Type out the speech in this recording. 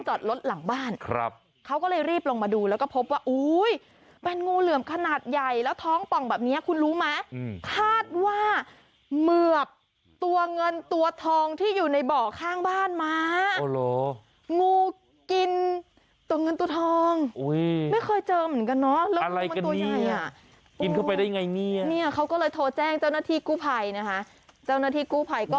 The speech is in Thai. จัดรถหลังบ้านครับเขาก็เลยรีบลงมาดูแล้วก็พบว่าอุ้ยแบนงูเหลือมขนาดใหญ่แล้วท้องป่องแบบเนี้ยคุณรู้ไหมอืมคาดว่าเมือบตัวเงินตัวทองที่อยู่ในเบาะข้างบ้านมาโอโหลงูกินตัวเงินตัวทองอุ้ยไม่เคยเจอเหมือนกันน่ะแล้วมันตัวใหญ่อ่ะกินเข้าไปได้ยังไงเนี้ยเนี้ยเขาก็เลยโทรแจ้งเจ้าหน้าที่ก